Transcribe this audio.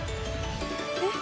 えっ？